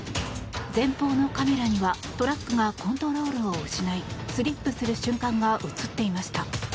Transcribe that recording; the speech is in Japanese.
前方のカメラにはトラックがコントロールを失いスリップする瞬間が映っていました。